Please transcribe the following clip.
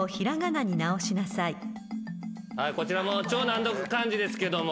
こちら超難読漢字ですけども。